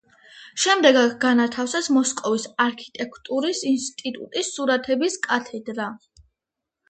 შემდეგ აქ განათავსეს მოსკოვის არქიტექტურის ინსტიტუტის სურათების კათედრა.